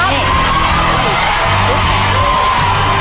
๔๒เร็วป้าแมว